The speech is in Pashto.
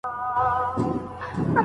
آیا ځواني تر ماشومتوب لنډه ده؟